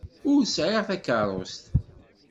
Ur sɛiɣ takeṛṛust.